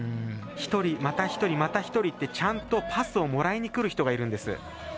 １人、また１人、また１人ってちゃんとパスをもらいにいく人がいるんです。